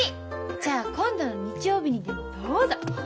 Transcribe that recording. じゃあ今度の日曜日にでもどうぞ。